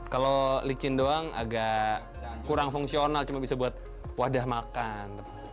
kalau licin doang agak kurang fungsional cuma bisa buat wadah makan